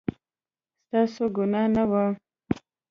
ستاسو ګناه نه وه